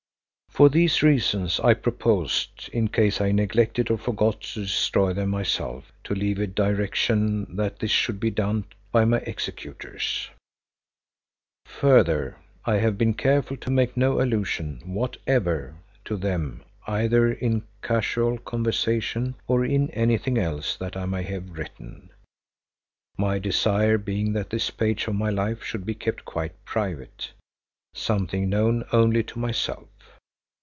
For these reasons I proposed, in case I neglected or forgot to destroy them myself, to leave a direction that this should be done by my executors. Further, I have been careful to make no allusion whatever to them either in casual conversation or in anything else that I may have written, my desire being that this page of my life should be kept quite private, something known only to myself.